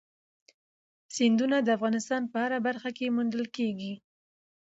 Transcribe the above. سیندونه د افغانستان په هره برخه کې موندل کېږي.